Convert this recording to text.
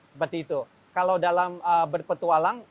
seperti itu kalau dalam berpetualang